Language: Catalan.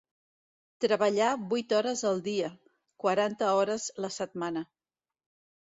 Treballar vuit hores el dia, quaranta hores la setmana.